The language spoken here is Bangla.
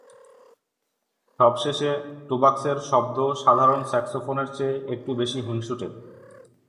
সবশেষে, টুবাক্সের শব্দ সাধারণ স্যাক্সোফোনের চেয়ে একটু বেশি "হিংসুটে"।